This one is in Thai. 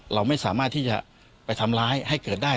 เราไม่สามารถที่จะไปทำร้ายให้เกิดได้